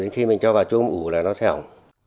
cái nước hết thì khi cho vào chua uống là nó sẽ ổn